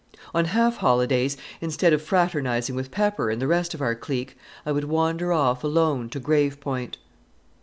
On half holidays, instead of fraternizing with Pepper and the rest of our clique, I would wander off alone to Grave Point.